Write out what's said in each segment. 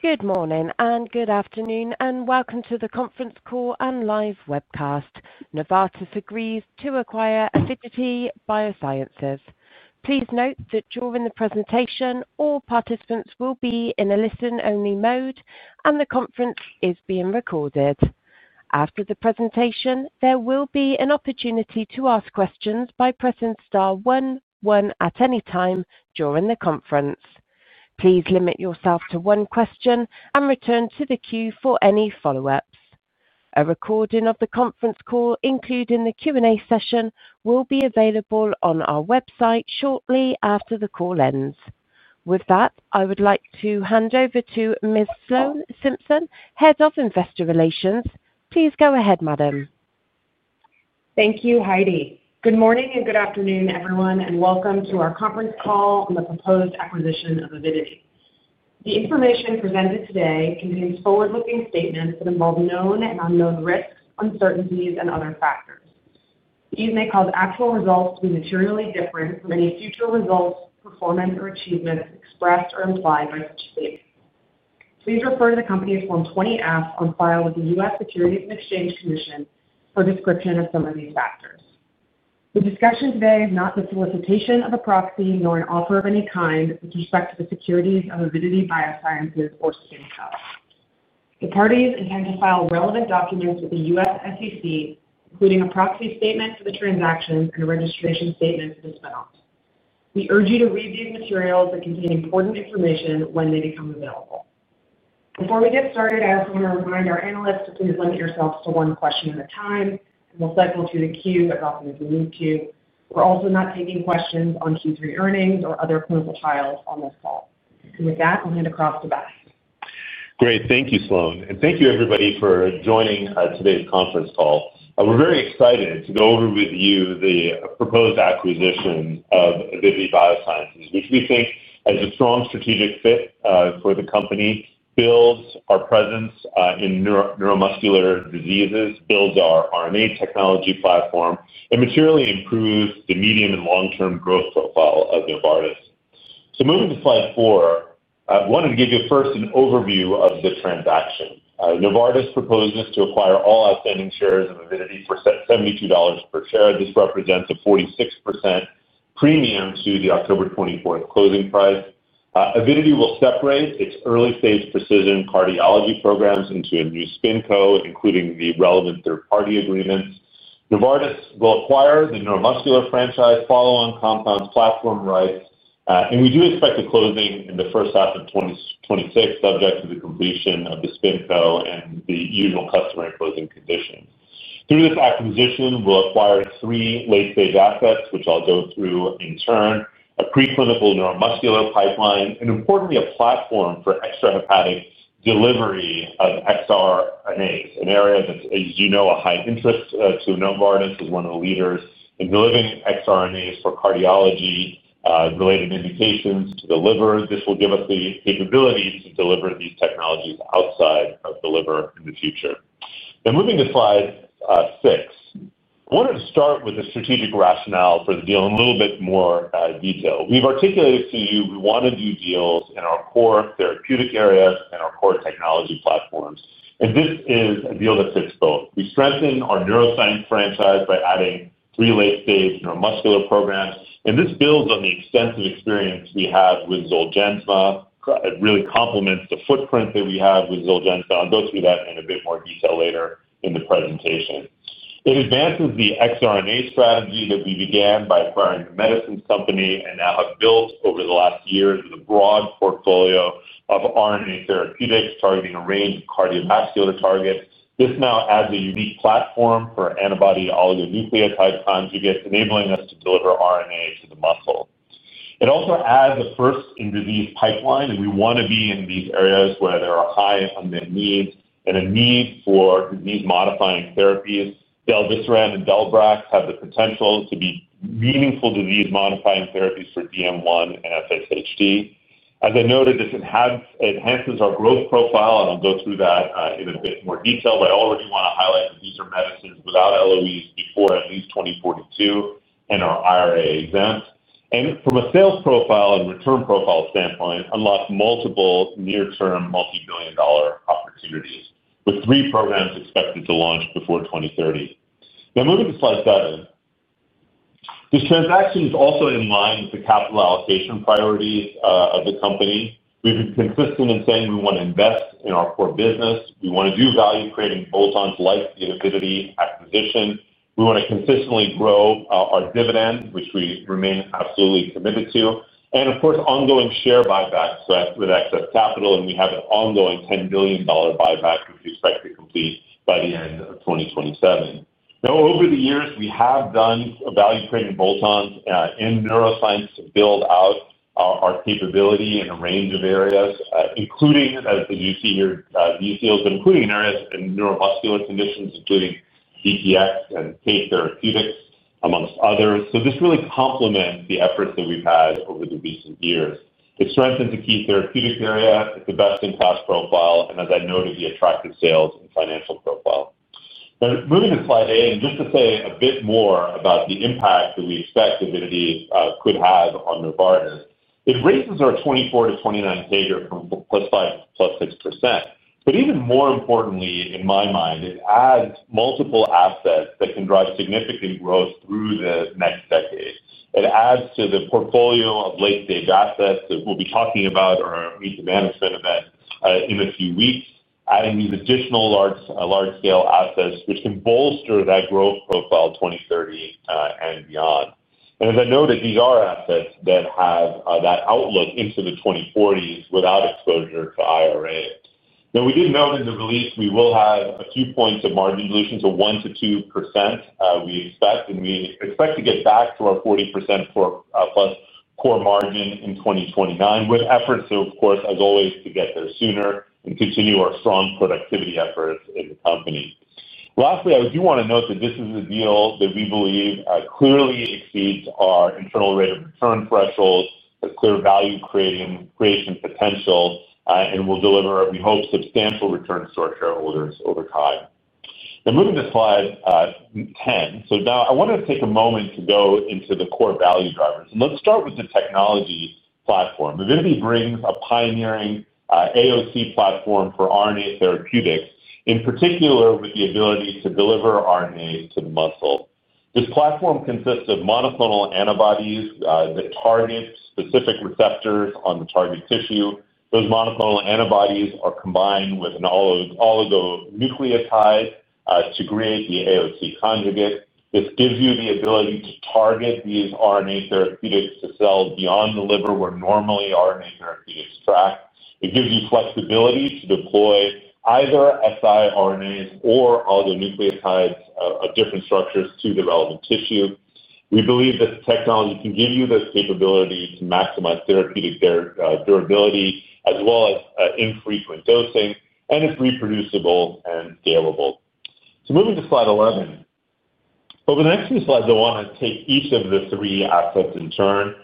Good morning and good afternoon, and welcome to the conference call and live webcast. Novartis agrees to acquire Avidity Biosciences. Please note that during the presentation, all participants will be in a listen-only mode, and the conference is being recorded. After the presentation, there will be an opportunity to ask questions by pressing star one, one at any time during the conference. Please limit yourself to one question and return to the queue for any follow-ups. A recording of the conference call, including the Q&A session, will be available on our website shortly after the call ends. With that, I would like to hand over to Ms. Sloan Simpson, Head of Investor Relations. Please go ahead, madam. Thank you, Heidi. Good morning and good afternoon, everyone, and welcome to our conference call on the proposed acquisition of Avidity. The information presented today contains forward-looking statements that involve known and unknown risks, uncertainties, and other factors. These may cause actual results to be materially different from any future results, performance, or achievements expressed or implied by such statements. Please refer to the company's Form 20-F on file with the U.S. Securities and Exchange Commission for a description of some of these factors. The discussion today is not the solicitation of a proxy nor an offer of any kind with respect to the securities of Avidity Biosciences or SpinCo. The parties intend to file relevant documents with the U.S. SEC, including a proxy statement for the transactions and a registration statement for the spin-off. We urge you to read these materials that contain important information when they become available. Before we get started, I also want to remind our analysts to please limit yourselves to one question at a time, and we'll cycle through the queue as often as we need to. We're also not taking questions on Q3 earnings or other clinical trials on this call. With that, I'll hand across to Vas. Great. Thank you, Sloan, and thank you, everybody, for joining today's conference call. We're very excited to go over with you the proposed acquisition of Avidity Biosciences, which we think is a strong strategic fit for the company, builds our presence in neuromuscular diseases, builds our RNA technology platform, and materially improves the medium and long-term growth profile of Novartis. Moving to slide four, I wanted to give you first an overview of the transaction. Novartis proposes to acquire all outstanding shares of Avidity for $72 per share. This represents a 46% premium to the October 24th closing price. Avidity will separate its early-stage precision cardiology programs into a new SpinCo, including the relevant third-party agreements. Novartis will acquire the neuromuscular franchise, follow-on compounds, platform rights, and we do expect a closing in the first half of 2026, subject to the completion of the SpinCo and the usual customary closing conditions. Through this acquisition, we'll acquire three late-stage assets, which I'll go through in turn, a preclinical neuromuscular pipeline, and importantly, a platform for extrahepatic delivery of xRNAs, an area that's, as you know, a high interest to Novartis as one of the leaders in delivering xRNAs for cardiology-related indications to the liver. This will give us the capability to deliver these technologies outside of the liver in the future. Now, moving to slide six, I wanted to start with the strategic rationale for the deal in a little bit more detail. We've articulated to you we want to do deals in our core therapeutic areas and our core technology platforms, and this is a deal that fits both. We strengthen our neuroscience franchise by adding three late-stage neuromuscular programs, and this builds on the extensive experience we have with Zolgensma. It really complements the footprint that we have with Zolgensma, and I'll go through that in a bit more detail later in the presentation. It advances the xRNA strategy that we began by acquiring The Medicines Company and now have built over the last years with a broad portfolio of RNA therapeutics targeting a range of cardiovascular targets. This now adds a unique platform for Antibody Oligonucleotide Conjugates, enabling us to deliver RNA to the muscle. It also adds a first-in-disease pipeline, and we want to be in these areas where there are high unmet needs and a need for disease-modifying therapies. Del-desiran and Del-brax have the potential to be meaningful disease-modifying therapies for DM1 and FSHD. As I noted, this enhances our growth profile, and I'll go through that in a bit more detail. I already want to highlight that these are medicines without LOEs before at least 2042 and are IRA exempt. From a sales profile and return profile standpoint, unlock multiple near-term multibillion-dollar opportunities with three programs expected to launch before 2030. Now, moving to slide seven, this transaction is also in line with the capital allocation priorities of the company. We've been consistent in saying we want to invest in our core business. We want to do value-creating bolt-ons like the Avidity acquisition. We want to consistently grow our dividend, which we remain absolutely committed to, and of course, ongoing share buybacks with excess capital. We have an ongoing $10 billion buyback that we expect to complete by the end of 2027. Over the years, we have done value-creating bolt-ons in neuroscience to build out our capability in a range of areas, including, as you see here, these deals, but including areas in neuromuscular conditions, including DTX Kate Therapeutics, amongst others. This really complements the efforts that we've had over the recent years. It strengthens Kate Therapeutics area. It's a best-in-class profile, and as I noted, the attractive sales and financial profile. Now, moving to slide eight, and just to say a bit more about the impact that we expect Avidity Biosciences could have on Novartis, it raises our 2024-2029 CAGR from +5% to +6%. Even more importantly, in my mind, it adds multiple assets that can drive significant growth through the next decade. It adds to the portfolio of late-stage assets that we'll be talking about in our needs-to-management event in a few weeks, adding these additional large-scale assets which can bolster that growth profile 2030 and beyond. As I noted, these are assets that have that outlook into the 2040s without exposure to IRA. We did note in the release we will have a few points of margin dilution to 1%-2%, we expect, and we expect to get back to our 40%+ core margin in 2029 with efforts to, of course, as always, to get there sooner and continue our strong productivity efforts in the company. Lastly, I do want to note that this is a deal that we believe clearly exceeds our internal rate of return threshold, has clear value creation potential, and will deliver, we hope, substantial returns to our shareholders over time. Now, moving to slide 10, I want to take a moment to go into the core value drivers. Let's start with the technology platform. Avidity brings a pioneering AOCs platform for RNA therapeutics, in particular with the ability to deliver RNAs to the muscle. This platform consists of monoclonal antibodies that target specific receptors on the target tissue. Those monoclonal antibodies are combined with an oligonucleotide to create the AOC conjugate. This gives you the ability to target these RNA therapeutics to cells beyond the liver where normally RNA therapeutics track. It gives you flexibility to deploy either siRNAs or oligonucleotides of different structures to the relevant tissue. We believe that the technology can give you this capability to maximize therapeutic durability, as well as infrequent dosing, and it's reproducible and scalable. Moving to slide 11, over the next few slides, I want to take each of the three assets in turn.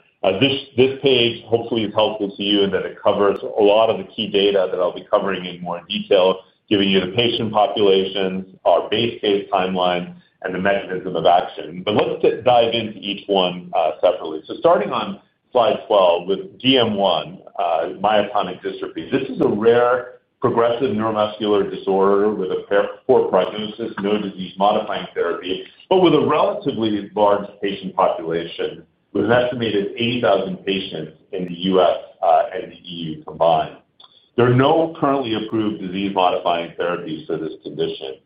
This page hopefully is helpful to you in that it covers a lot of the key data that I'll be covering in more detail, giving you the patient populations, our base case timeline, and the mechanism of action. Let's dive into each one separately. Starting on slide 12 DM1, Myotonic Dystrophy Type 1, this is a rare progressive neuromuscular disorder with a poor prognosis, no disease-modifying therapy, but with a relatively large patient population with an estimated 80,000 patients in the U.S. and the EU combined. There are no currently approved disease-modifying therapies for this condition.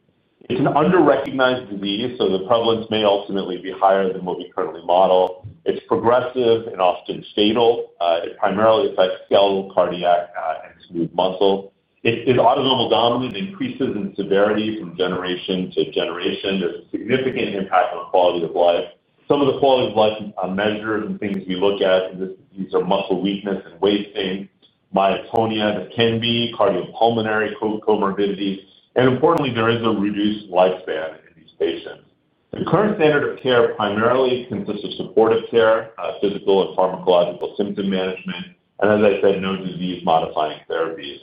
It's an under-recognized disease, so the prevalence may ultimately be higher than what we currently model. It's progressive and often fatal. It primarily affects skeletal, cardiac, and smooth muscles. It is autosomal dominant and increases in severity from generation to generation. There's a significant impact on quality of life. Some of the quality of life measures and things we look at in this disease are muscle weakness and wasting, myotonia. This can be cardiopulmonary comorbidities. Importantly, there is a reduced lifespan in these patients. The current standard of care primarily consists of supportive care, physical and pharmacological symptom management, and, as I said, no disease-modifying therapies.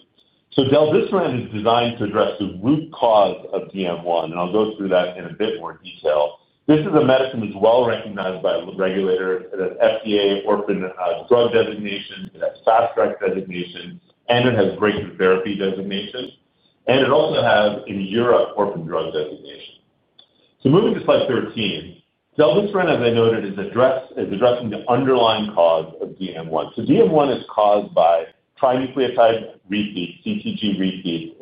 Del-desiran is designed to address the root cause of DM1, and I'll go through that in a bit more detail. This is a medicine that's well recognized by regulators. It has FDA orphan drug designation, it has Fast Track designation, and it has breakthrough therapy designation. It also has, in Europe, orphan drug designation. Moving to slide 13, del-desiran, as I noted, is addressing the underlying cause of DM1. DM1 is caused by trinucleotide repeats, CTG repeats,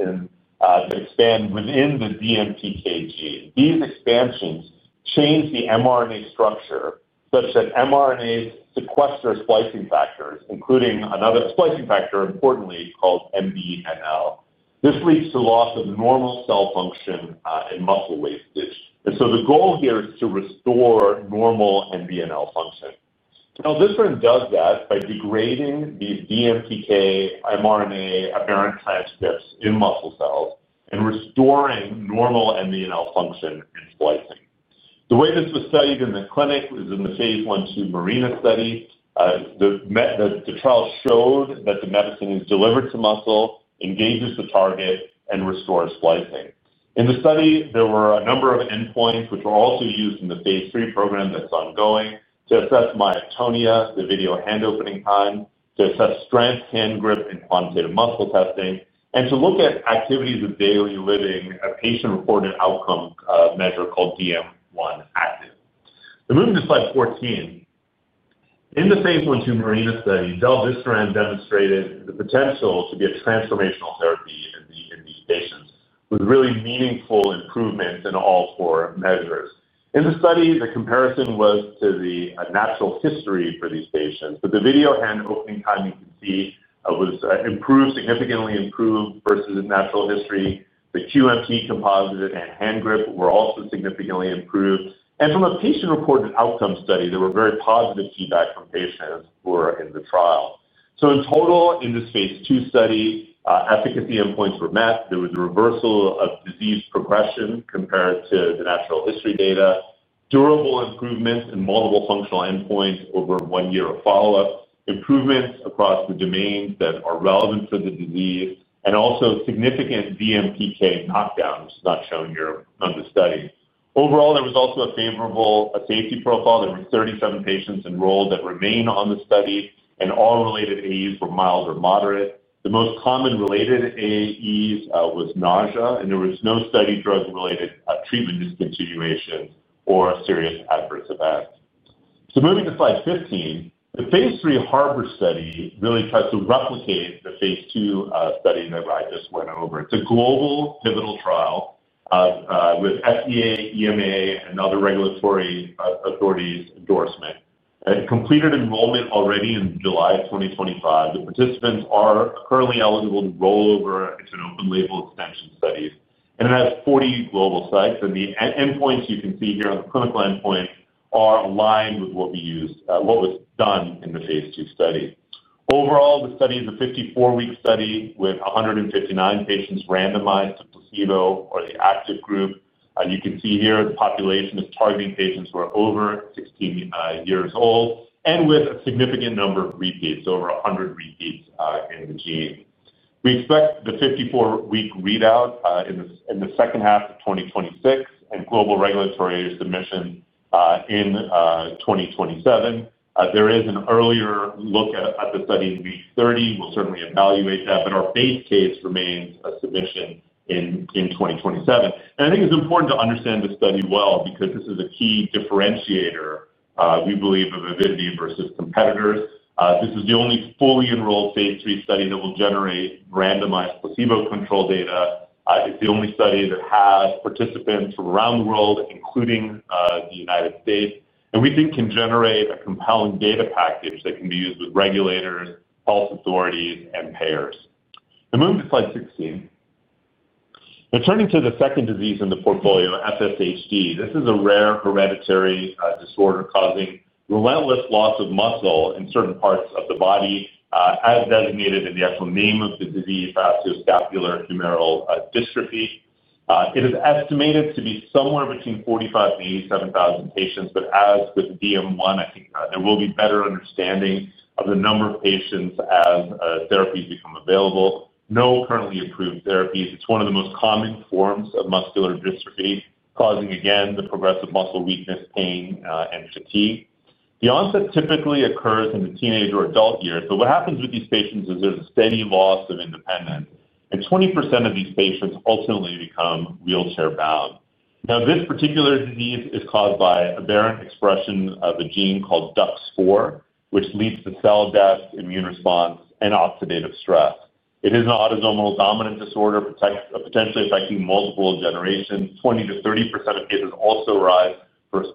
that expand within the DMPK gene. These expansions change the mRNA structure such that mRNAs sequester splicing factors, including another splicing factor importantly called MBNL. This leads to loss of normal cell function and muscle wastage. The goal here is to restore normal MBNL function. Del-desiran does that by degrading these DMPK mRNA aberrant transcripts in muscle cells and restoring normal MBNL function and splicing. The way this was studied in the clinic was in the Phase 1/2 MARINA study. The trial showed that the medicine is delivered to muscle, engages the target, and restores splicing. In the study, there were a number of endpoints which were also used in the Phase 3 program that's ongoing to assess myotonia, the video hand opening time, to assess strength, hand grip, and quantitative muscle testing, and to look at activities of daily living, a patient-reported outcome measure called DM1 active. Now, moving to slide 14, in the Phase 1/2 MARINA study, del-desiran demonstrated the potential to be a transformational therapy in these patients with really meaningful improvements in all four measures. In the study, the comparison was to the natural history for these patients, but the video hand opening time, you can see, was significantly improved versus a natural history. The QMT composite and hand grip were also significantly improved. From a patient-reported outcome study, there was very positive feedback from patients who were in the trial. In total, in this Phase 2 study, efficacy endpoints were met. There was a reversal of disease progression compared to the natural history data, durable improvements in multiple functional endpoints over one year of follow-up, improvements across the domains that are relevant for the disease, and also significant DMPK knockdown, which is not shown here on the study. Overall, there was also a favorable safety profile. There were 37 patients enrolled that remain on the study, and all related AEs were mild or moderate. The most common related AEs was nausea, and there was no study drug-related treatment discontinuation or serious adverse events. Moving to slide 15, the Phase 3 HARBOR study really tries to replicate the Phase 2 study that I just went over. It's a global pivotal trial with FDA, EMA, and other regulatory authorities' endorsement. It completed enrollment already in July of 2025. The participants are currently eligible to roll over into an open-label extension study, and it has 40 global sites. The endpoints you can see here on the clinical endpoints are aligned with what we used, what was done in the Phase 2 study. Overall, the study is a 54-week study with 159 patients randomized to placebo or the active group. You can see here the population is targeting patients who are over 16 years old and with a significant number of repeats, over 100 repeats in the gene. We expect the 54-week readout in the second half of 2026 and global regulatory submission in 2027. There is an earlier look at the study in week 30. We'll certainly evaluate that, but our base case remains a submission in 2027. I think it's important to understand the study well because this is a key differentiator, we believe, of Avidity versus competitors. This is the only fully enrolled Phase 3 study that will generate randomized placebo control data. It's the only study that has participants from around the world, including the United States, and we think can generate a compelling data package that can be used with regulators, health authorities, and payers. Now, moving to slide 16, now turning to the second disease in the portfolio, FSHD. This is a rare hereditary disorder causing relentless loss of muscle in certain parts of the body, as designated in the actual name of the disease, Facioscapulohumeral Muscular Dystrophy. It is estimated to be somewhere between 45,000 and 87,000 patients, but as with DM1, I think there will be better understanding of the number of patients as therapies become available. No currently approved therapies. It's one of the most common forms of muscular dystrophy, causing, again, the progressive muscle weakness, pain, and fatigue. The onset typically occurs in the teenage or adult years, but what happens with these patients is there's a steady loss of independence, and 20% of these patients ultimately become wheelchair-bound. This particular disease is caused by aberrant expression of a gene called DUX4, which leads to cell death, immune response, and oxidative stress. It is an autosomal dominant disorder potentially affecting multiple generations. 20%-30% of cases also arise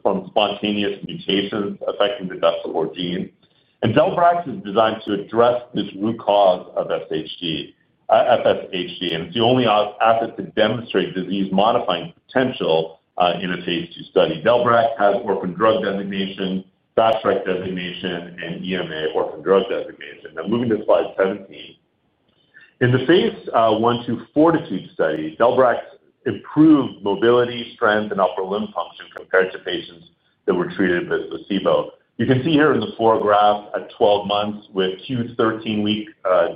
from spontaneous mutations affecting the DUX4 gene. Del-brax is designed to address this root cause of FSHD, and it's the only asset to demonstrate disease-modifying potential in a Phase 2 study. Del-brax has orphan drug designation, Fast Track designation, and EMA orphan drug designation. Now, moving to slide 17, in the Phase 1/2 FORTITUDE study, Del-brax improved mobility, strength, and upper limb function compared to patients that were treated with placebo. You can see here in the four graphs at 12 months with q13 week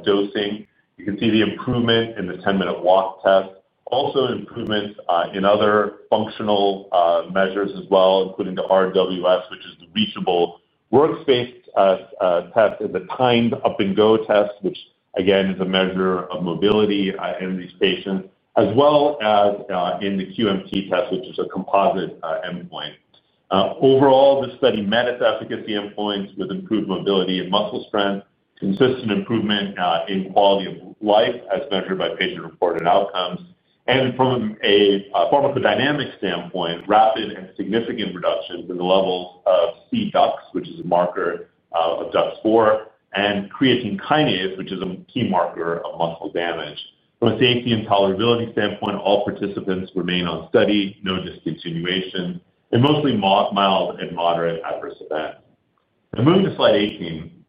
dosing. You can see the improvement in the 10-minute walk test, also improvements in other functional measures as well, including the RWS, which is the reachable workspace test, and the timed up-and-go test, which again is a measure of mobility in these patients, as well as in the QMT test, which is a composite endpoint. Overall, the study met its efficacy endpoints with improved mobility and muscle strength, consistent improvement in quality of life as measured by patient-reported outcomes. From a pharmacodynamic standpoint, rapid and significant reductions in the levels of cDUX, which is a marker of DUX4, and creatine kinase, which is a key marker of muscle damage. From a safety and tolerability standpoint, all participants remain on study, no discontinuation, and mostly mild and moderate adverse events. Now, moving to slide 18,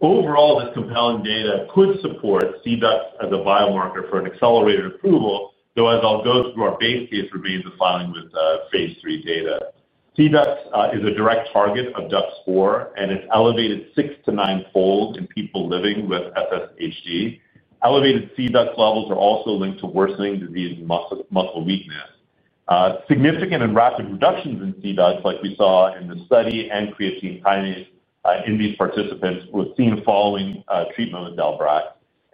overall, this compelling data could support cDUX as a biomarker for an accelerated approval, though as I'll go through, our base case remains a finding with Phase 3 data. cDUX is a direct target of DUX4, and it's elevated six to nine-fold in people living with FSHD. Elevated cDUX levels are also linked to worsening disease and muscle weakness. Significant and rapid reductions in cDUX, like we saw in the study, and creatine kinase in these participants were seen following treatment with Del-brax.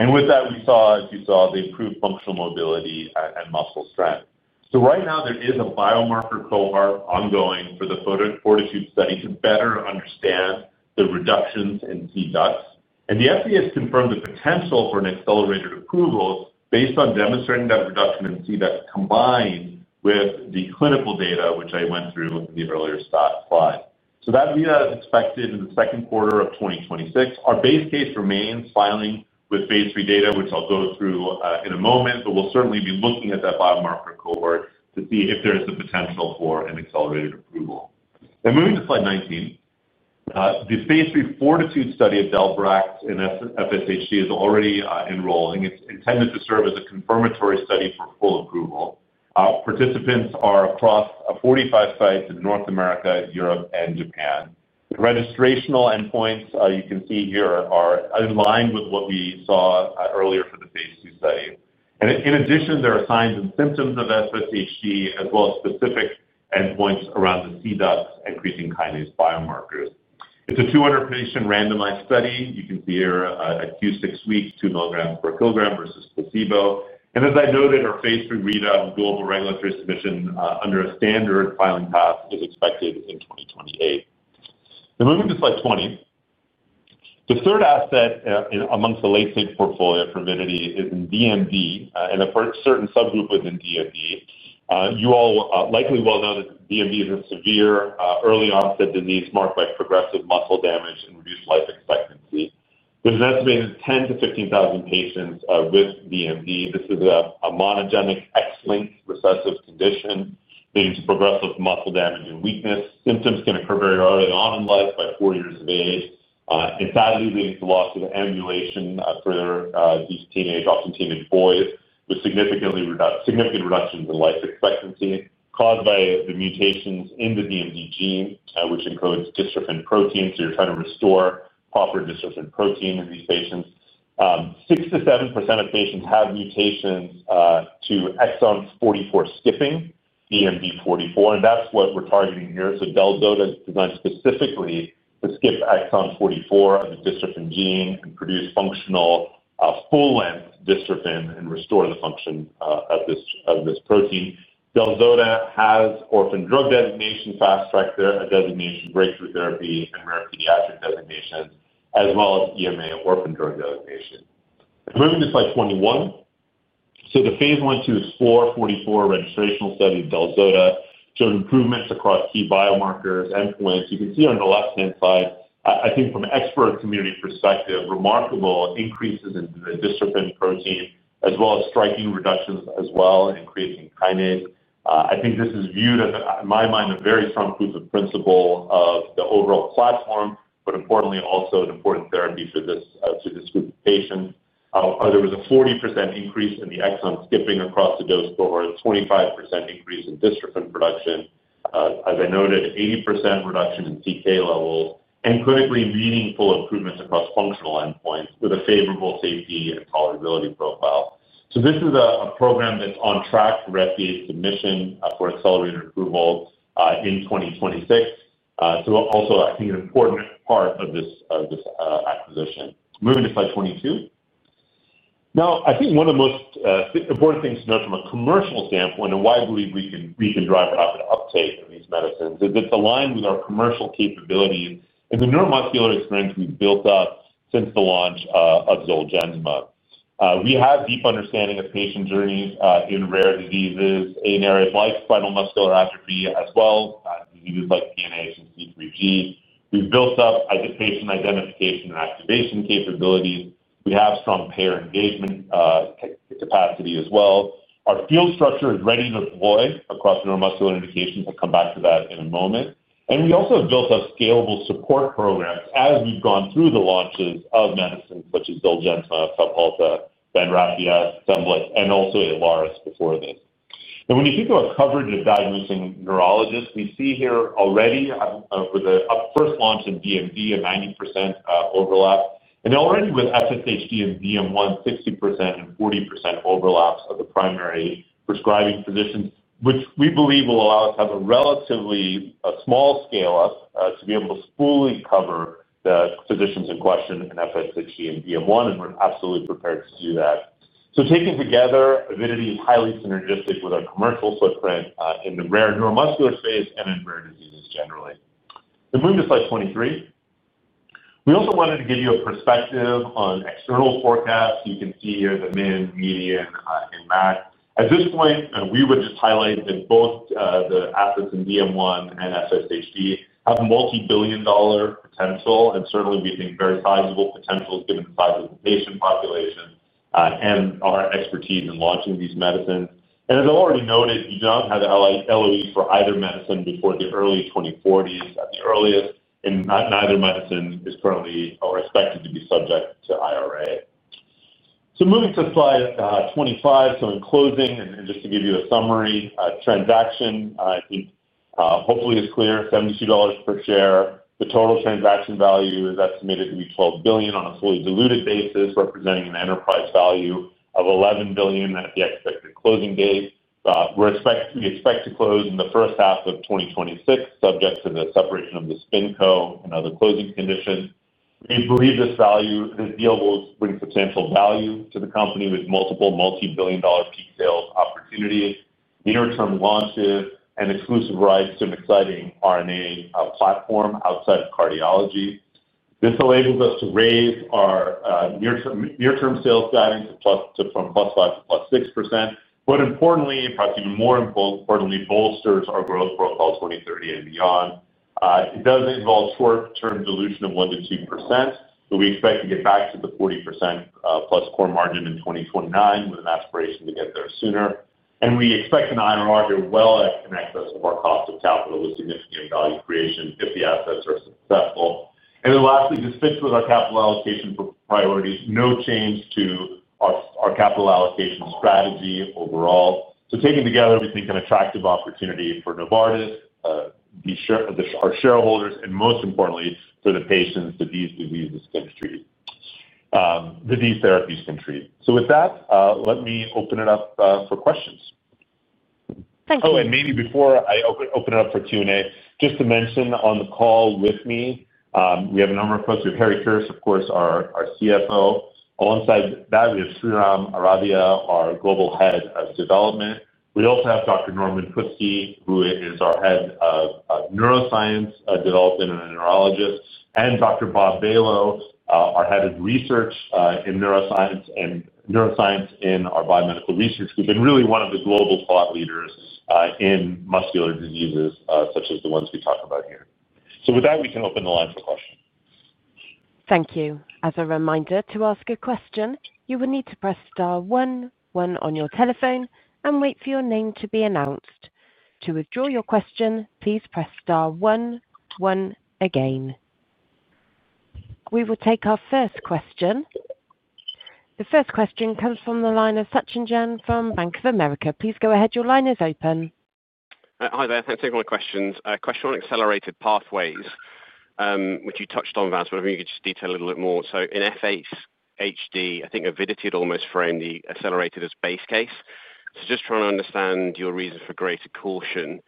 With that, we saw, as you saw, the improved functional mobility and muscle strength. Right now, there is a biomarker cohort ongoing for the FORTITUDE study to better understand the reductions in cDUX. The FDA has confirmed the potential for an accelerated approval based on demonstrating that reduction in cDUX combined with the clinical data, which I went through in the earlier slide. That data is expected in the second quarter of 2026. Our base case remains filing with Phase 3 data, which I'll go through in a moment, but we'll certainly be looking at that biomarker cohort to see if there is a potential for an accelerated approval. Now, moving to slide 19, the Phase 3 FORTITUDE study of Del-brax in FSHD is already enrolling. It's intended to serve as a confirmatory study for full approval. Participants are across 45 sites in North America, Europe, and Japan. The registrational endpoints, you can see here, are in line with what we saw earlier for the Phase 2 study. In addition, there are signs and symptoms of FSHD, as well as specific endpoints around the cDUX and creatine kinase biomarkers. It's a 200-patient randomized study. You can see here at q6 weeks, 2 mg/kg versus placebo. As I noted, our Phase 3 readout and global regulatory submission under a standard filing path is expected in 2028. Now, moving to slide 20, the third asset amongst the late-stage portfolio for Avidity Biosciences is in DMD, and a certain subgroup within DMD. You all likely well know that DMD is a severe early-onset disease marked by progressive muscle damage and reduced life expectancy. There's an estimated 10,000-15,000 patients with DMD. This is a monogenic X-linked recessive condition leading to progressive muscle damage and weakness. Symptoms can occur very early on in life by four years of age and, sadly, leading to loss of ambulation for these teenage, often teenage boys, with significant reductions in life expectancy caused by the mutations in the DMD gene, which encodes dystrophin protein. You're trying to restore proper dystrophin protein in these patients. 6%-7% of patients have mutations to exon 44 skipping, DMD44, and that's what we're targeting here. Del-zota is designed specifically to skip exon 44 of the dystrophin gene and produce functional full-length dystrophin and restore the function of this protein. Del-zota has orphan drug designation, Fast Track designation, breakthrough therapy, and rare pediatric designations, as well as EMA orphan drug designation. Now, moving to slide 21, the Phase 1/2 EXPLORE44 registrational study of Del-zota showed improvements across key biomarker endpoints. You can see on the left-hand side, I think from an expert community perspective, remarkable increases in the dystrophin protein, as well as striking reductions in creatine kinase. I think this is viewed as, in my mind, a very strong proof of principle of the overall platform, but importantly, also an important therapy for this group of patients. There was a 40% increase in the exon skipping across the dose score and a 25% increase in dystrophin production. As I noted, an 80% reduction in CK levels and clinically meaningful improvements across functional endpoints with a favorable safety and tolerability profile. This is a program that's on track for FDA submission for accelerated approval in 2026. Also, I think an important part of this acquisition. Moving to slide 22, one of the most important things to note from a commercial standpoint and why I believe we can drive rapid uptake of these medicines is it's aligned with our commercial capabilities in the neuromuscular experience we've built up since the launch of Zolgensma. We have a deep understanding of patient journeys in rare diseases, in areas like spinal muscular atrophy, as well as diseases like PNH and C3G. We've built up patient identification and activation capabilities. We have strong payer engagement capacity as well. Our field structure is ready to deploy across neuromuscular indications. I'll come back to that in a moment. We also have built up scalable support programs as we've gone through the launches of medicines such as Zolgensma, Fabhalta, Vendrastias, Temlik, and also Ilaris before this. When you think of our coverage of diagnosing neurologists, we see here already with the first launch in DMD, a 90% overlap. Already with FSHD and DM1, 60% and 40% overlaps of the primary prescribing physicians, which we believe will allow us to have a relatively small scale-up to be able to fully cover the physicians in question in FSHD and DM1, and we're absolutely prepared to do that. Taken together, Avidity is highly synergistic with our commercial footprint in the rare neuromuscular space and in rare diseases generally. Now, moving to slide 23, we also wanted to give you a perspective on external forecasts. You can see here the Min, Median, and MAC. At this point, we would just highlight that both the assets in DM1 and FSHD have multibillion-dollar potential and certainly, we think, very sizable potential given the size of the patient population and our expertise in launching these medicines. As I already noted, you do not have LOEs for either medicine before the early 2040s at the earliest, and neither medicine is currently or expected to be subject to IRA. Moving to slide 25, in closing, and just to give you a summary, transaction, I think, hopefully, is clear: $72 per share. The total transaction value is estimated to be $12 billion on a fully diluted basis, representing an enterprise value of $11 billion at the expected closing date. We expect to close in the first half of 2026, subject to the separation of the SpinCo and other closing conditions. We believe this deal will bring substantial value to the company with multiple multibillion-dollar peak sales opportunities, near-term launches, and exclusive rights to an exciting RNA platform outside of cardiology. This enables us to raise our near-term sales guidance from +5% to +6%, but importantly, perhaps even more importantly, bolsters our growth profile 2030 and beyond. It does involve short-term dilution of 1%-2%, but we expect to get back to the 40%+ core margin in 2029 with an aspiration to get there sooner. We expect an IRR to well connect us to our cost of capital with significant value creation if the assets are successful. Lastly, this fits with our capital allocation priorities. No change to our capital allocation strategy overall. Taken together, we think an attractive opportunity for Novartis, our shareholders, and most importantly, for the patients that these therapies can treat. With that, let me open it up for questions. Thank you. Oh, maybe before I open it up for Q&A, just to mention on the call with me, we have a number of folks. We have Harry Kirsch, of course, our CFO. Alongside that, we have Shreeram Aradhye, our Global Head of Development. We also have Dr. Norman Putzki, who is our Head of Neuroscience Development and a neurologist, and Dr. Bob Baloh, our Head of Research in Neuroscience and Neuroscience in our Biomedical Research group, and really one of the global thought leaders in muscular diseases such as the ones we talk about here. With that, we can open the line for questions. Thank you. As a reminder, to ask a question, you will need to press star one, one on your telephone and wait for your name to be announced. To withdraw your question, please press star one, one again. We will take our first question. The first question comes from the line of Sachin Jain from Bank of America. Please go ahead. Your line is open. Hi there. Thanks for taking my questions. A question on accelerated pathways, which you touched on, Vas, but maybe you could just detail a little bit more. In FSHD, I think Avidity had almost framed the accelerated as base case. Just trying to understand your reasons for greater caution.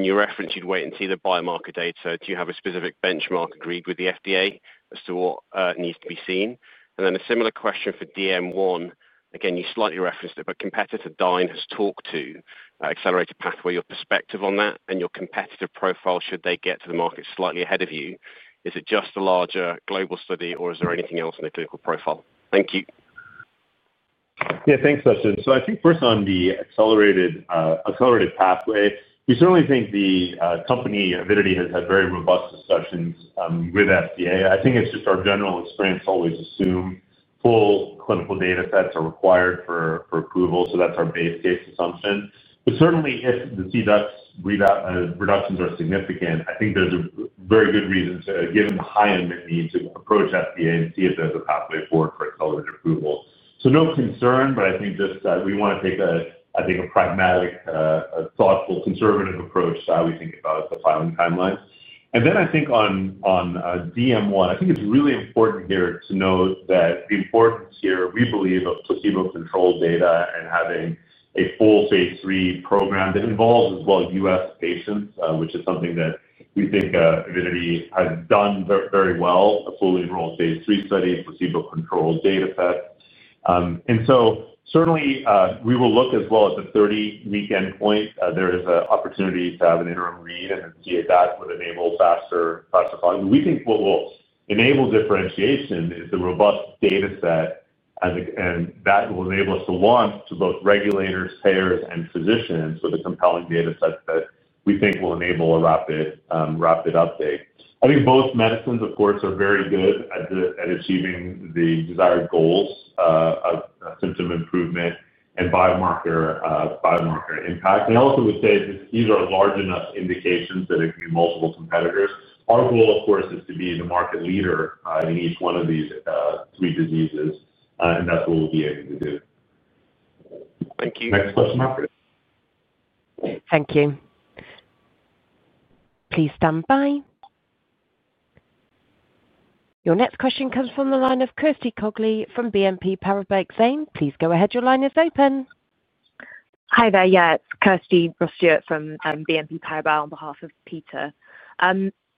You referenced you'd wait and see the biomarker data. Do you have a specific benchmark agreed with the FDA as to what needs to be seen? A similar question for DM1. Again, you slightly referenced it, but competitor Dyne has talked to accelerated pathway. Your perspective on that and your competitor profile should they get to the market slightly ahead of you? Is it just a larger global study, or is there anything else in the clinical profile? Thank you. Yeah, thanks, Sachin. I think first on the accelerated pathway, we certainly think the company, Avidity, has had very robust discussions with FDA. It's just our general experience to always assume full clinical data sets are required for approval. That's our base case assumption. Certainly, if the cDUX reductions are significant, there's a very good reason, given the high unmet need, to approach FDA and see if there's a pathway forward for accelerated approval. No concern, but we want to take a pragmatic, thoughtful, conservative approach to how we think about the filing timelines. On DM1, it's really important here to note the importance, we believe, of placebo-controlled data and having a full Phase 3 program that involves U.S. patients, which is something that we think Avidity has done very well—a fully enrolled Phase 3 study, placebo-controlled data set. Certainly, we will look as well at the 30-week endpoint. There is an opportunity to have an interim read, and if we see that, that would enable faster filing. We think what will enable differentiation is the robust data set, and that will enable us to launch to both regulators, payers, and physicians with a compelling data set that we think will enable a rapid uptake. I think both medicines, of course, are very good at achieving the desired goals of symptom improvement and biomarker impact. I also would say these are large enough indications that there can be multiple competitors. Our goal, of course, is to be the market leader in each one of these three diseases, and that's what we'll be able to do. Thank you. Next question marker. Thank you. Please stand by. Your next question comes from the line of Kirsty Ross-Stewart from BNP Paribas. Same, please go ahead. Your line is open. Hi there. Yeah, it's Kirsty Ross-Stewart from BNP Paribas on behalf of Peter.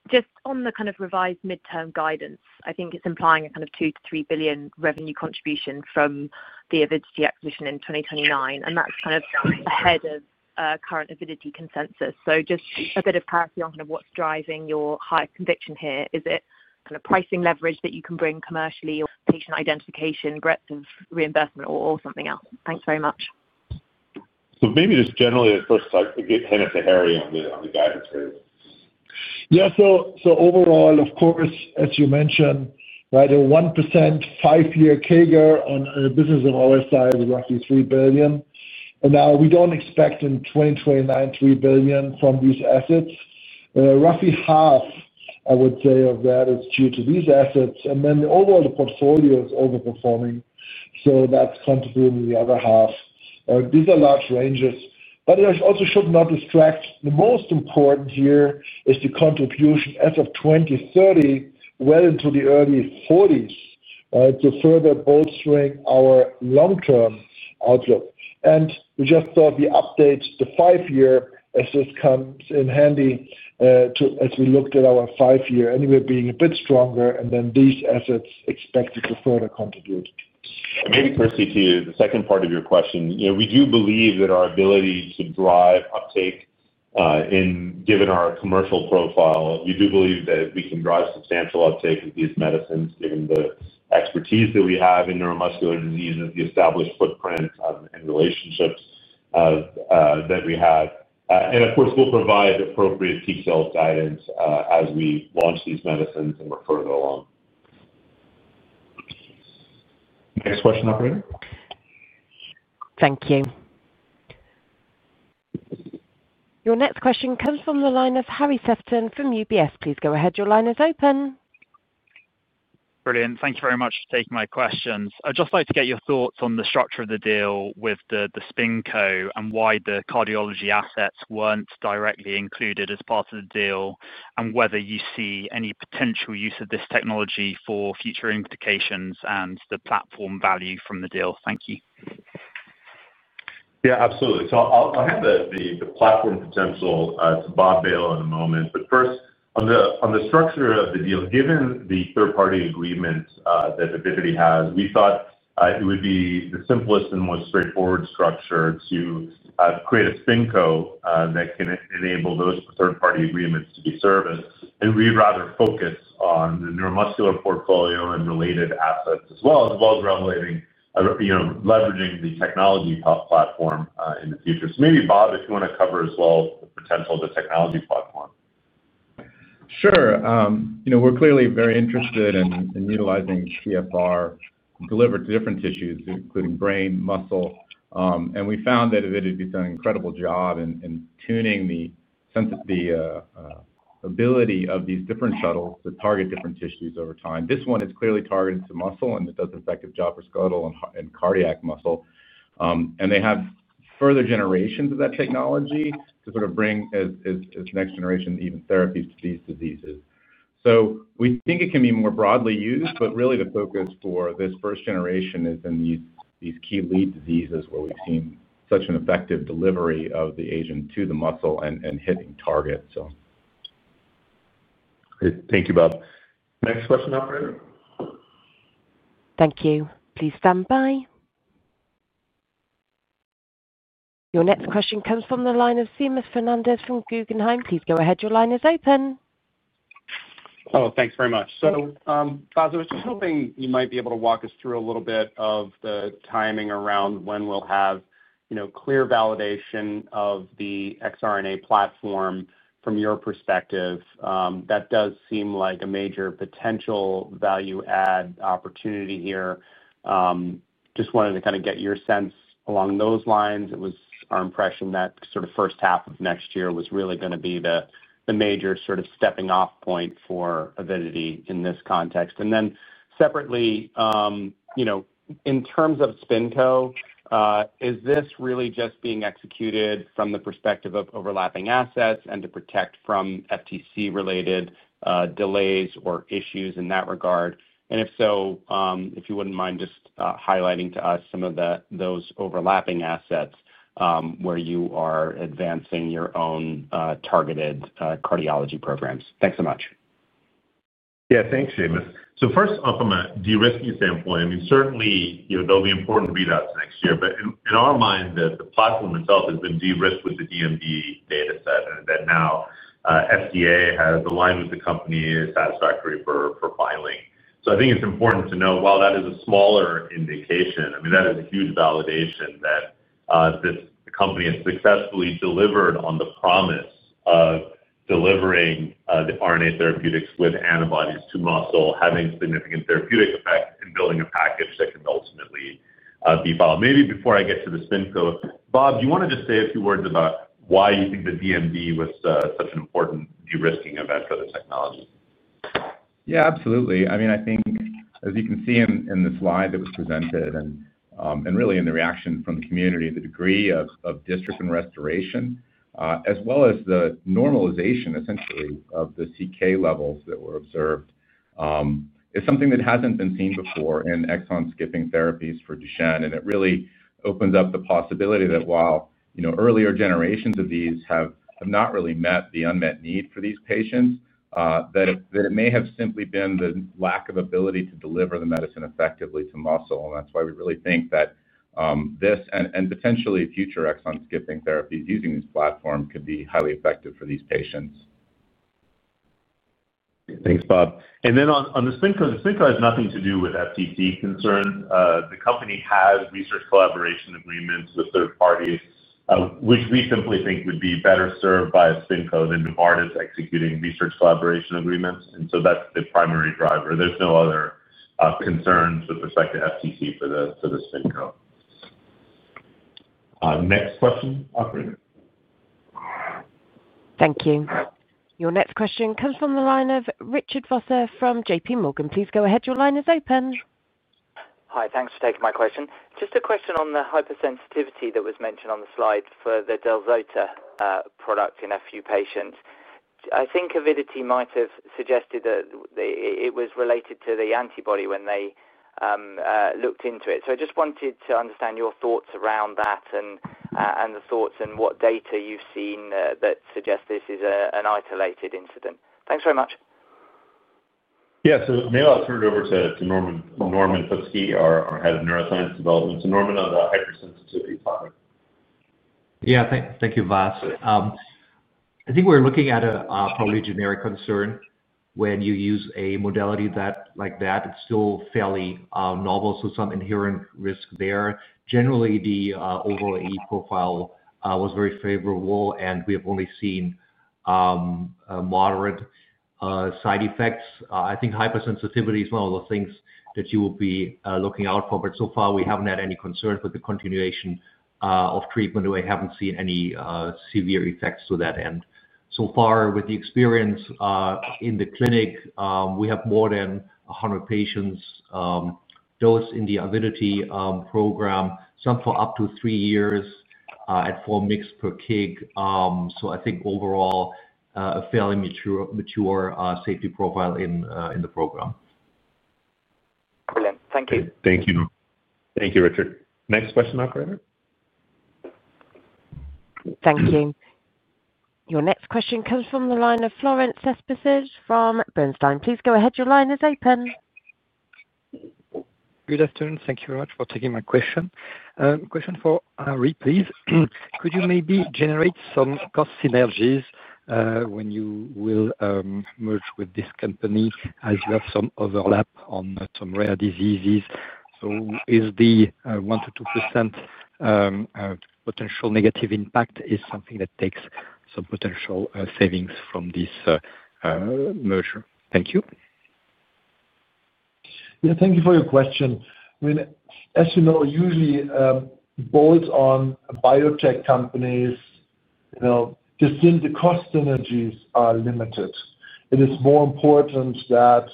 Just on the kind of revised midterm guidance, I think it's implying a kind of $2 billion-$3 billion revenue contribution from the Avidity acquisition in 2029, and that's kind of ahead of current Avidity consensus. Just a bit of clarity on what's driving your high conviction here. Is it kind of pricing leverage that you can bring commercially, patient identification, breadth of reimbursement, or something else? Thanks very much. Maybe just generally, first, I'll get ahead of Harry on the guidance area. Yeah, so overall, of course, as you mentioned, right, a 1% five-year CAGR on the business of OSI is roughly $3 billion. We don't expect in 2029 $3 billion from these assets. Roughly half, I would say, of that is due to these assets, and then overall the portfolio is overperforming. That's contributing the other half. These are large ranges, but it also should not distract. The most important here is the contribution as of 2030, well into the early 2040s, to further bolstering our long-term outlook. We just thought we'd update the five-year as this comes in handy as we looked at our five-year anyway being a bit stronger, and then these assets expected to further contribute. Maybe, Kirsty, to the second part of your question, we do believe that our ability to drive uptake, given our commercial profile, we do believe that we can drive substantial uptake with these medicines, given the expertise that we have in neuromuscular diseases, the established footprint and relationships that we have. Of course, we'll provide appropriate peak sales guidance as we launch these medicines and we're further along. Next question, operator. Thank you. Your next question comes from the line of Harry Sephton from UBS. Please go ahead. Your line is open. Brilliant. Thanks very much for taking my questions. I'd just like to get your thoughts on the structure of the deal with the spin-off company and why the precision cardiology programs weren't directly included as part of the deal, and whether you see any potential use of this technology for future implications and the platform value from the deal. Thank you. Absolutely. I'll hand the platform potential to Bob Baloh in a moment. First, on the structure of the deal, given the third-party agreements that Avidity has, we thought it would be the simplest and most straightforward structure to create a SpinCo that can enable those third-party agreements to be serviced. We'd rather focus on the neuromuscular portfolio and related assets as well, as well as leveraging the technology platform in the future. Maybe, Bob, if you want to cover as well the potential of the technology platform. Sure. You know we're clearly very interested in utilizing CFR delivered to different tissues, including brain and muscle, and we found that Avidity has done an incredible job in tuning the ability of these different shuttles to target different tissues over time. This one is clearly targeted to muscle, and it does an effective job for skeletal and cardiac muscle. They have further generations of that technology to bring as next generation therapies to these diseases. We think it can be more broadly used, but really the focus for this first generation is in these key lead diseases where we've seen such an effective delivery of the agent to the muscle and hitting targets. Great. Thank you, Bob. Next question, operator. Thank you. Please stand by. Your next question comes from the line of Seamus Fernandez from Guggenheim. Please go ahead. Your line is open. Oh, thanks very much. Vasant, I was just hoping you might be able to walk us through a little bit of the timing around when we'll have clear validation of the siRNA platform from your perspective. That does seem like a major potential value-add opportunity here. Just wanted to kind of get your sense along those lines. It was our impression that sort of first half of next year was really going to be the major sort of stepping-off point for Avidity in this context. Separately, you know in terms of spin-off, is this really just being executed from the perspective of overlapping assets and to protect from FTC-related delays or issues in that regard? If so, if you wouldn't mind just highlighting to us some of those overlapping assets where you are advancing your own precision cardiology programs. Thanks so much. Yeah, thanks, Seamus. First off, from a de-risking standpoint, certainly, you know there'll be important readouts next year, but in our mind, the platform itself has been de-risked with the DMD data set and that now FDA has aligned with the company satisfactory for filing. I think it's important to know while that is a smaller indication, that is a huge validation that the company has successfully delivered on the promise of delivering the RNA therapeutics with antibodies to muscle, having significant therapeutic effect, and building a package that can ultimately be filed. Maybe before I get to the SpinCo, Bob, do you want to just say a few words about why you think the DMD was such an important de-risking event for the technology? Yeah, absolutely. I mean, I think, as you can see in the slide that was presented and really in the reaction from the community, the degree of dystrophin restoration, as well as the normalization essentially of the CK levels that were observed, is something that hasn't been seen before in exon skipping therapies for Duchenne, and it really opens up the possibility that while earlier generations of these have not really met the unmet need for these patients, it may have simply been the lack of ability to deliver the medicine effectively to muscle, and that's why we really think that this and potentially future exon skipping therapies using this platform could be highly effective for these patients. Thanks, Bob. The SpinCo has nothing to do with FTC concerns. The company has research collaboration agreements with third parties, which we simply think would be better served by a SpinCo than Novartis executing research collaboration agreements. That's the primary driver. There's no other concerns with respect to FTC for the SpinCo. Next question, operator. Thank you. Your next question comes from the line of Richard Vosser from JPMorgan. Please go ahead. Your line is open. Hi, thanks for taking my question. Just a question on the hypersensitivity that was mentioned on the slide for the Del-zota product in a few patients. I think Avidity might have suggested that it was related to the antibody when they looked into it. I just wanted to understand your thoughts around that and what data you've seen that suggests this is an isolated incident. Thanks very much. Maybe I'll turn it over to Norman Putzki, our Head of Neuroscience Development. Norman, on the hypersensitivity product. Yeah, thank you, Vas. I think we're looking at a probably generic concern when you use a modality like that. It's still fairly novel, so some inherent risk there. Generally, the overall AE profile was very favorable, and we have only seen moderate side effects. I think hypersensitivity is one of the things that you will be looking out for, but so far, we haven't had any concerns with the continuation of treatment, and we haven't seen any severe effects to that end. With the experience in the clinic, we have more than 100 patients dosed in the Avidity program, some for up to three years at 4 mg/kg. I think overall a fairly mature safety profile in the program. Brilliant. Thank you. Thank you, Norman. Thank you, Richard. Next question, operator. Thank you. Your next question comes from the line of Florent Cespedes from Bernstein. Please go ahead. Your line is open. Good afternoon. Thank you very much for taking my question. Question for Harry, please. Could you maybe generate some cost synergies when you will merge with this company as you have some overlap on some rare diseases? Is the 1%-2% potential negative impact something that takes some potential savings from this merger? Thank you. Yeah, thank you for your question. I mean, as you know, usually both on biotech companies, you know the cost synergies are limited. It is more important that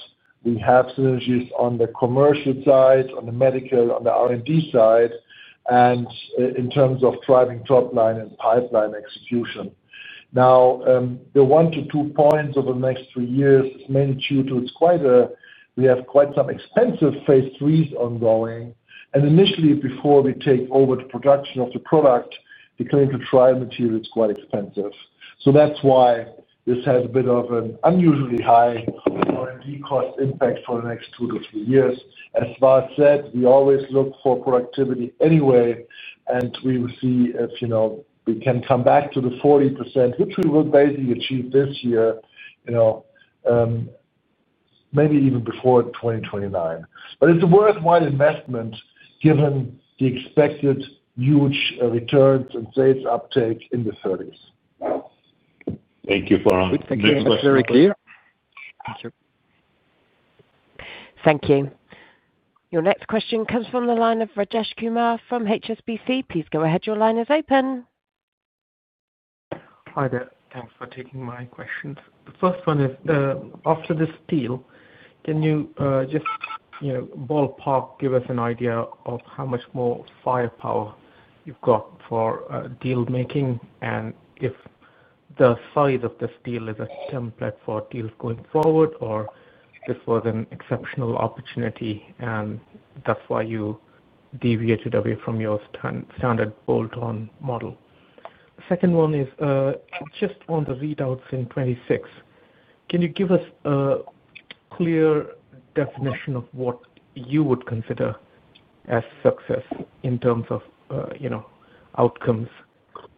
we have synergies on the commercial side, on the medical, on the R&D side, and in terms of driving dropline and pipeline execution. Now, the 1 to 2 points over the next three years is mainly due to it's quite a we have quite some expensive Phase 3s ongoing. Initially, before we take over the production of the product, the clinical trial material is quite expensive. That's why this has a bit of an unusually high R&D cost impact for the next two to three years. As Vas said, we always look for productivity anyway, and we will see if we can come back to the 40%, which we will basically achieve this year, maybe even befo4re 2029. It's a worthwhile investment given the expected huge returns and sales uptake in the 2030s. Thank you for your question. Thank you. Thank you. Your next question comes from the line of Rajesh Kumar from HSBC. Please go ahead. Your line is open. Hi there. Thanks for taking my questions. The first one is, after this deal, can you just ballpark give us an idea of how much more firepower you've got for dealmaking, and if the size of this deal is a template for deals going forward or if this was an exceptional opportunity and that's why you deviated away from your standard bolt-on model? The second one is just on the readouts in 2026. Can you give us a clear definition of what you would consider as success in terms of outcomes,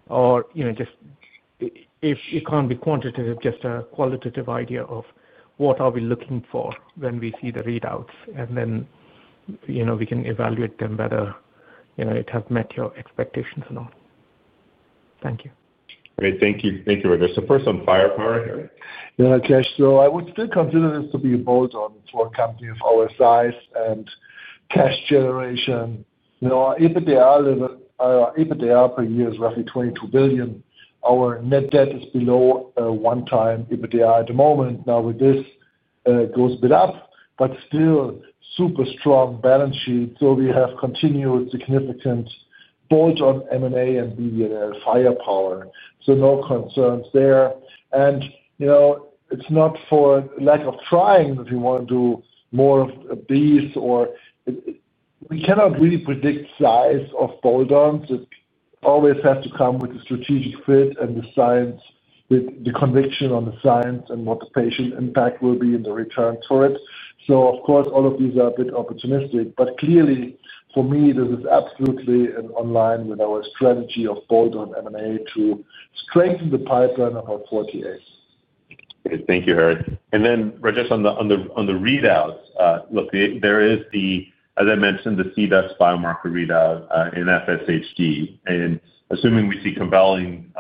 or if it can't be quantitative, just a qualitative idea of what are we looking for when we see the readouts? We can evaluate them, whether it has met your expectations or not. Thank you. Great. Thank you. Thank you, Rajesh. First on firepower here. Yeah, Rajesh. I would still consider this to be a bolt-on for a company of our size and cash generation. Our EBITDA per year is roughly $22 billion. Our net debt is below one-time EBITDA at the moment. Now, with this, it goes a bit up, but still super strong balance sheet. We have continued significant bolt-on M&A and BD&L firepower. No concerns there. It's not for lack of trying that we want to do more of these or we cannot really predict size of bolt-ons. It always has to come with the strategic fit and the science, the conviction on the science and what the patient impact will be and the returns for it. All of these are a bit opportunistic, but clearly, for me, this is absolutely online with our strategy of bolt-on M&A to strengthen the pipeline of our 48. Great. Thank you, Harry. Rajesh, on the readouts, there is the, as I mentioned, the cDUX biomarker readout in FSHD. Assuming we see compelling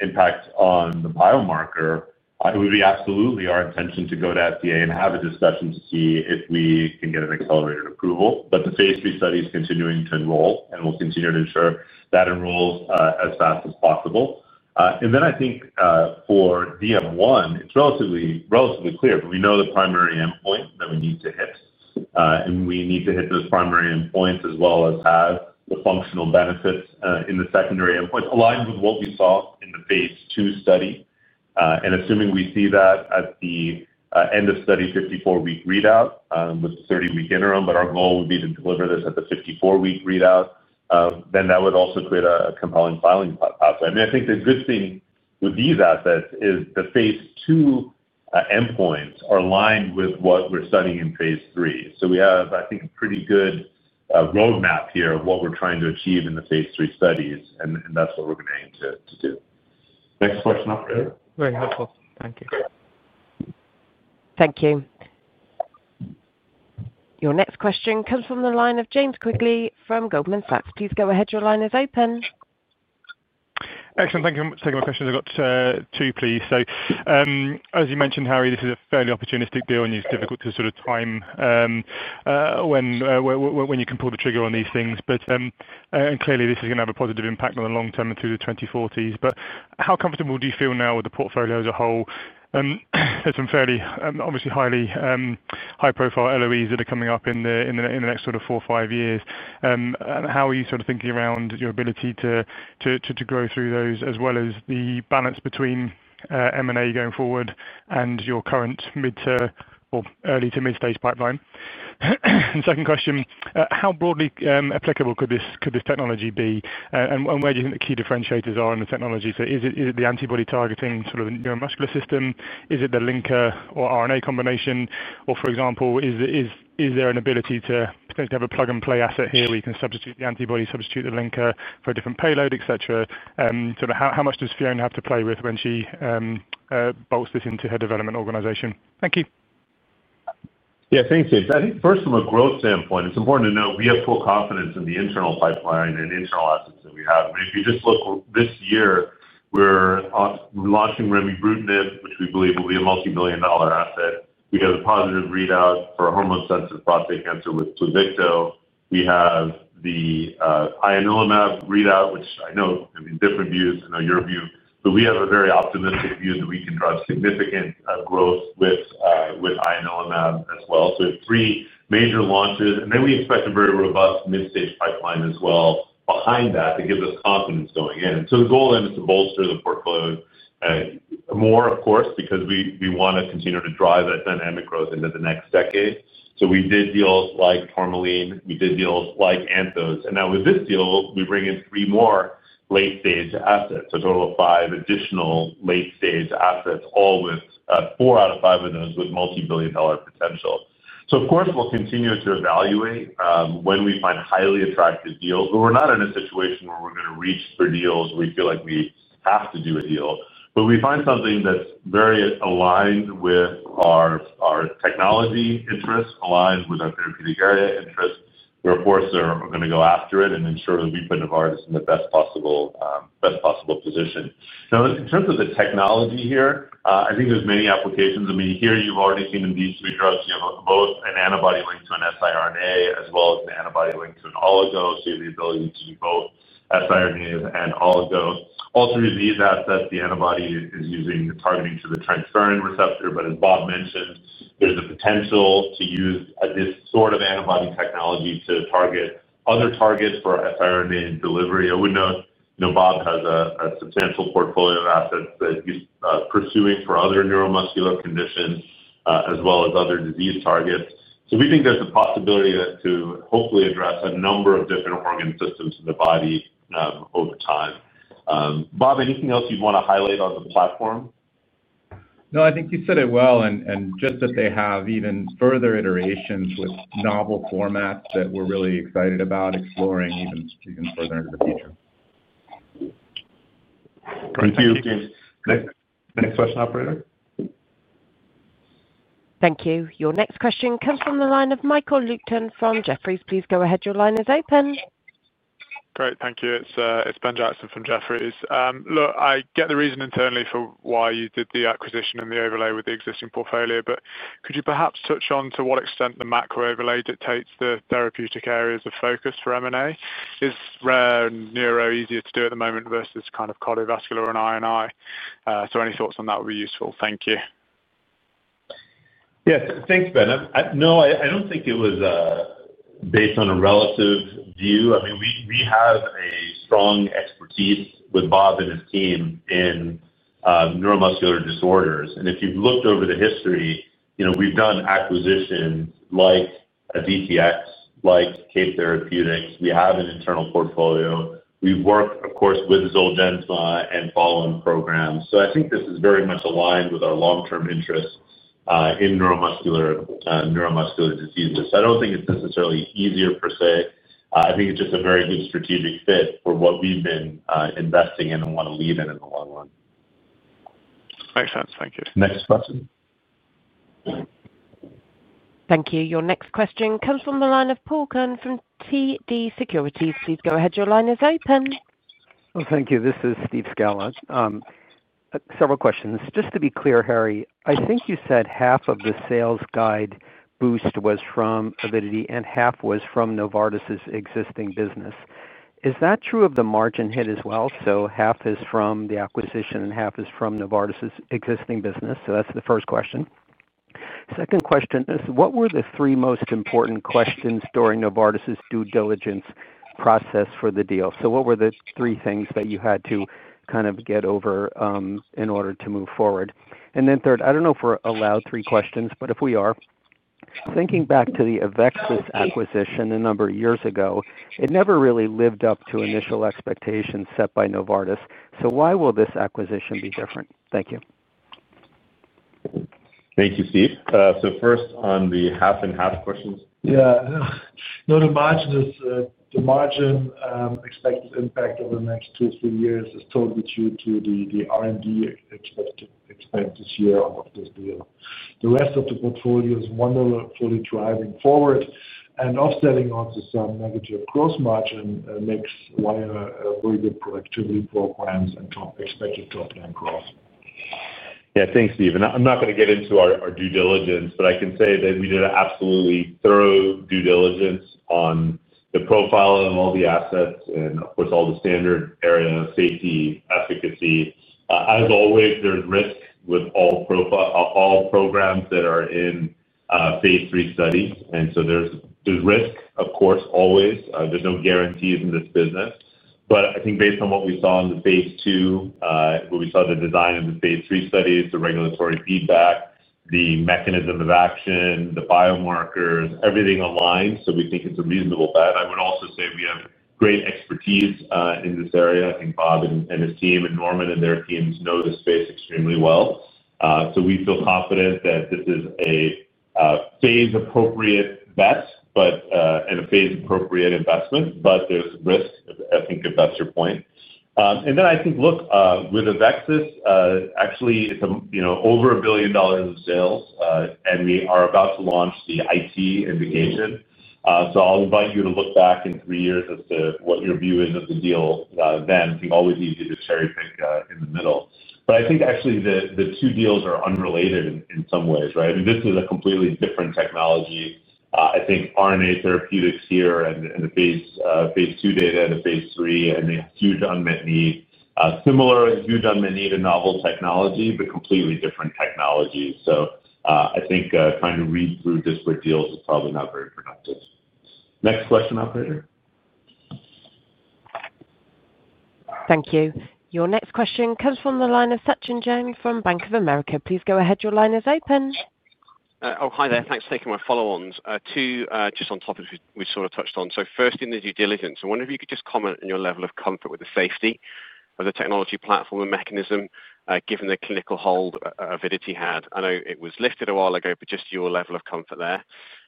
impacts on the biomarker, it would be absolutely our intention to go to FDA and have a discussion to see if we can get an accelerated approval. The Phase 3 study is continuing to enroll, and we'll continue to ensure that enrolls as fast as possible. I think for DM1, it's relatively clear, but we know the primary endpoint that we need to hit, and we need to hit those primary endpoints as well as have the functional benefits in the secondary endpoints aligned with what we saw in the Phase 2 study. Assuming we see that at the end of study 54-week readout with the 30-week interim, our goal would be to deliver this at the 54-week readout, then that would also create a compelling filing pathway. The good thing with these assets is the Phase 2 endpoints are aligned with what we're studying in Phase 3. We have, I think, a pretty good roadmap here of what we're trying to achieve in the Phase 3 studies, and that's what we're going to aim to do. Next question operator. Very helpful. Thank you. Thank you. Your next question comes from the line of James Quigley from Goldman Sachs. Please go ahead. Your line is open. Excellent. Thank you. I'm taking my questions. I've got two, please. As you mentioned, Harry, this is a fairly opportunistic deal, and it's difficult to sort of time when you can pull the trigger on these things. Clearly, this is going to have a positive impact on the long term and through the 2040s. How comfortable do you feel now with the portfolio as a whole? There's some fairly, obviously, high-profile LOEs that are coming up in the next four or five years. How are you sort of thinking around your ability to grow through those, as well as the balance between M&A going forward and your current mid-term or early-to-mid-stage pipeline? Second question, how broadly applicable could this technology be, and where do you think the key differentiators are in the technology? Is it the antibody targeting sort of neuromuscular system? Is it the linker or RNA combination? For example, is there an ability to potentially have a plug-and-play asset here where you can substitute the antibody, substitute the linker for a different payload, etc.? How much does Fiona have to play with when she bolts this into her development organization? Thank you. Yeah, thank you. I think first, from a growth standpoint, it's important to note we have full confidence in the internal pipeline and internal assets that we have. I mean, if you just look this year, we're launching remibrutinib, which we believe will be a multibillion-dollar asset. We have a positive readout for hormone-sensitive prostate cancer with Pluvicto, we have the ianalumab readout, which I know, I mean, different views, I know your view, but we have a very optimistic view that we can drive significant growth with ianalumab as well. We have three major launches, and we expect a very robust mid-stage pipeline as well behind that that gives us confidence going in. The goal then is to bolster the portfolio more, of course, because we want to continue to drive that dynamic growth into the next decade. We did deals like Tourmaline, we did deals like Anthos, and now with this deal, we bring in three more late-stage assets, a total of five additional late-stage assets, all with four out of five of those with multibillion-dollar potential. Of course, we'll continue to evaluate when we find highly attractive deals, but we're not in a situation where we're going to reach for deals where we feel like we have to do a deal. If we find something that's very aligned with our technology interests, aligned with our therapeutic area interests, we're, of course, going to go after it and ensure that we put Novartis in the best possible position. In terms of the technology here, I think there's many applications. Here you've already seen in these three drugs, you have both an antibody linked to an siRNA as well as an antibody linked to an oligo, so you have the ability to do both siRNAs and oligo. All three of these assets, the antibody is using targeting to the transferrin receptor, but as Bob mentioned, there's the potential to use this sort of antibody technology to target other targets for siRNA delivery. I would note, you know, Bob has a substantial portfolio of assets that he's pursuing for other neuromuscular conditions as well as other disease targets. We think there's a possibility to hopefully address a number of different organ systems in the body over time. Bob, anything else you'd want to highlight on the platform? No, I think you said it well, just that they have even further iterations with novel formats that we're really excited about exploring even further into the future. Thank you. Next question, operator. Thank you. Your next question comes from the line of Michael Luton from Jefferies. Please go ahead. Your line is open. Great. Thank you. It's Ben Jackson from Jefferies. I get the reason internally for why you did the acquisition and the overlay with the existing portfolio, but could you perhaps touch on to what extent the macro overlay dictates the therapeutic areas of focus for M&A? Is rare neuro easier to do at the moment versus kind of cardiovascular and INI? Any thoughts on that would be useful. Thank you. Yes, thanks, Ben. No, I don't think it was based on a relative view. We have a strong expertise with Bob and his team in neuromuscular disorders. If you've looked over the history, we've done acquisitions like DTX, like Kate Therapeutics. We have an internal portfolio. We've worked, of course, with Zolgensma and follow-on programs. I think this is very much aligned with our long-term interests in neuromuscular diseases. I don't think it's necessarily easier per se. I think it's just a very good strategic fit for what we've been investing in and want to lead in in the long run. Makes sense. Thank you. Next question. Thank you. Your next question comes from the line of Paul Kern from TD Securities. Please go ahead. Your line is open. Thank you. This is Steve Scala. Several questions. Just to be clear, Harry, I think you said half of the sales guide boost was from Avidity and half was from Novartis's existing business. Is that true of the margin hit as well? Half is from the acquisition and half is from Novartis's existing business. That's the first question. Second question is, what were the three most important questions during Novartis's due diligence process for the deal? What were the three things that you had to kind of get over in order to move forward? Third, I don't know if we're allowed three questions, but if we are, thinking back to the AveXis acquisition a number of years ago, it never really lived up to initial expectations set by Novartis. Why will this acquisition be different? Thank you. Thank you, Steve. First, on the half and half questions. Yeah. No, the margin expected impact over the next two or three years is totally due to the R&D expected to expand this year of this deal. The rest of the portfolio is wonderfully driving forward and offsetting off to some negative gross margin mix via very good productivity programs and expected top-line growth. Yeah, thanks, Steve. I'm not going to get into our due diligence, but I can say that we did an absolutely thorough due diligence on the profile of all the assets and, of course, all the standard area safety efficacy. As always, there's risk with all programs that are in Phase 3 studies. There's risk, of course, always. There's no guarantees in this business. I think based on what we saw in the Phase 2, where we saw the design of the Phase 3 studies, the regulatory feedback, the mechanism of action, the biomarkers, everything aligned, we think it's a reasonable bet. I would also say we have great expertise in this area. I think Bob and his team and Norman and their teams know this space extremely well. We feel confident that this is a phase-appropriate bet and a phase-appropriate investment, but there's risk, I think, if that's your point. I think, look, with AveXis, actually, it's over $1 billion of sales, and we are about to launch the IT ending agent. I'll invite you to look back in three years as to what your view is of the deal then. It can always be easy to cherry-pick in the middle. I think actually the two deals are unrelated in some ways, right? I mean, this is a completely different technology. I think RNA therapeutics here and the Phase 2 data and the Phase 3, and they have huge unmet need. Similar, huge unmet need in novel technology, but completely different technologies. I think trying to read through disparate deals is probably not very productive. Next question, operator. Thank you. Your next question comes from the line of Sachin Jain from Bank of America. Please go ahead. Your line is open. Oh, hi there. Thanks for taking my follow-ons. Two, just on topics we've sort of touched on. First, in the due diligence, I wonder if you could just comment on your level of comfort with the safety of the technology platform and mechanism given the clinical hold Avidity had. I know it was lifted a while ago, but just your level of comfort there.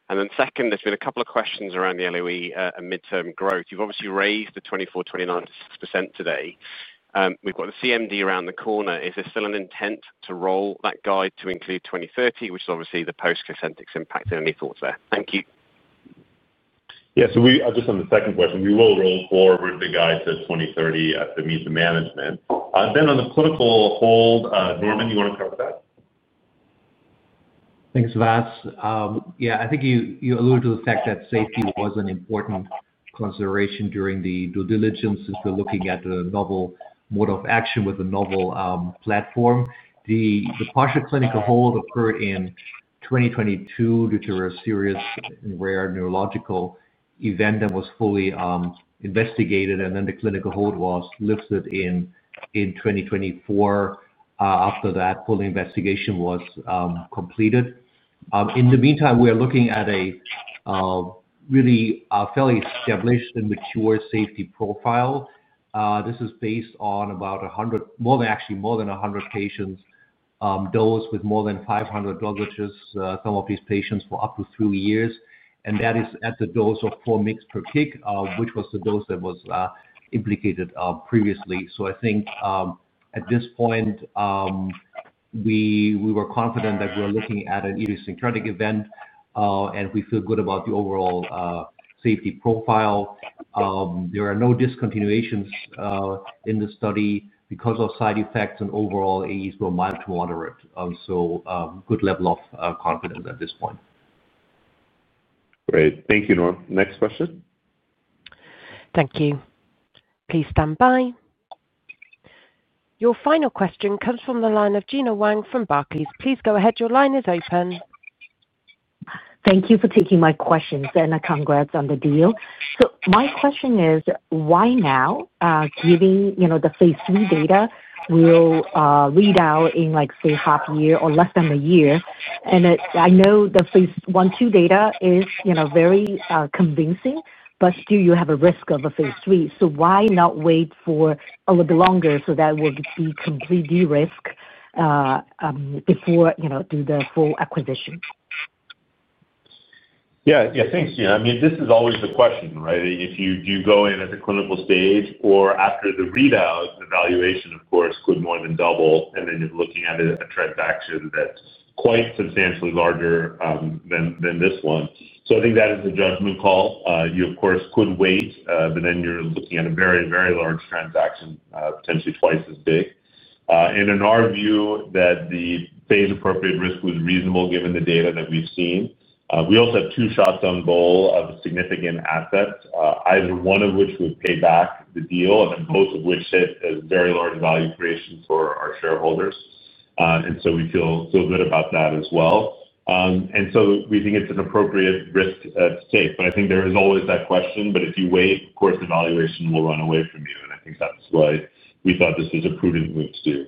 Then, there's been a couple of questions around the LOE and midterm growth. You've obviously raised the 2024-2029 to 6% today. We've got the CMD around the corner. Is there still an intent to roll that guide to include 2030, which is obviously the post-Cosentyx impact? Any thoughts there? Thank you. On the second question, we will roll forward with the guide to 2030 at the means of management. On the clinical hold, Norman, you want to cover that? Thanks, Vas. Yeah, I think you alluded to the fact that safety was an important consideration during the due diligence since we're looking at a novel mode of action with a novel platform. The partial clinical hold occurred in 2022 due to a serious and rare neurological event that was fully investigated, and then the clinical hold was lifted in 2024. After that, full investigation was completed. In the meantime, we are looking at a really fairly established and mature safety profile. This is based on about 100, actually more than 100 patients dosed with more than 500 drug, which is some of these patients for up to three years, and that is at the dose of 4 mg/kg, which was the dose that was implicated previously. I think at this point, we were confident that we're looking at an idiosyncratic event, and we feel good about the overall safety profile. There are no discontinuations in the study because of side effects, and overall AEs were mild to moderate. Good level of confidence at this point. Great. Thank you, Norman. Next question. Thank you. Please stand by. Your final question comes from the line of Gena Wang from Barclays. Please go ahead. Your line is open. Thank you for taking my questions, and congrats on the deal. My question is, why now, given the Phase 3 data will read out in, like, say, half a year or less than a year? I know the Phase 1/2 data is very convincing, but still you have a risk of a Phase 3. Why not wait for a little bit longer so that it would be complete de-risk before you do the full acquisition? Yeah, thanks, Gena. I mean, this is always the question, right? If you do go in at the clinical stage or after the readout, the evaluation, of course, could more than double, and then you're looking at a transaction that's quite substantially larger than this one. I think that is a judgment call. You, of course, could wait, but then you're looking at a very, very large transaction, potentially twice as big. In our view, the phase-appropriate risk was reasonable given the data that we've seen. We also have two shots on goal of a significant asset, either one of which would pay back the deal, and then both of which hit as very large value creation for our shareholders. We feel good about that as well. We think it's an appropriate risk to take. I think there is always that question. If you wait, of course, the valuation will run away from you, and I think that's why we thought this was a prudent move to do.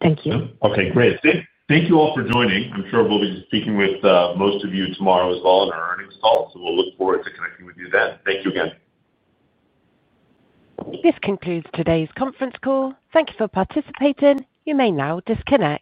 Thank you. Okay, great. Thank you all for joining. I'm sure we'll be speaking with most of you tomorrow as well in our earnings call, so we'll look forward to connecting with you then. Thank you again. This concludes today's conference call. Thank you for participating. You may now disconnect.